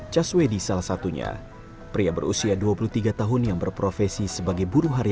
caswedi salah satunya pria berusia dua puluh tiga tahun yang berprofesi sebagai buruh hari ini